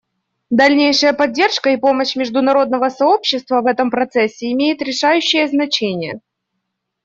Дальнейшая поддержка и помощь международного сообщества в этом процессе имеет решающее значение.